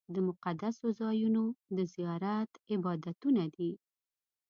د مقدسو ځایونو د زیارت عبادتونه دي.